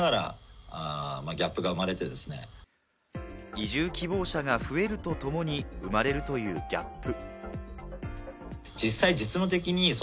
移住希望者が増えるとともに、生まれるというギャップ。